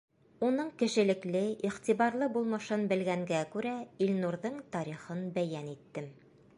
Уның кешелекле, иғтибарлы булмышын белгәнгә күрә, Илнурҙың тарихын бәйән иттем.